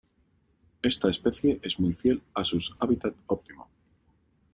Esta especie es muy fiel a sus hábitat óptimo.